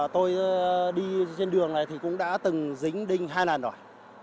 tôi đi trên đường này thì cũng đã từng dính đinh hai lần rồi